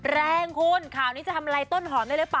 แรงคุณข่าวนี้จะทำอะไรต้นหอมได้หรือเปล่า